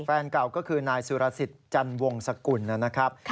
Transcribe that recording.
แฟนเก่าก็คือนายสุรสิทธิ์จันวงสกุลนะครับ